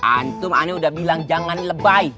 antum ani udah bilang jangan lebay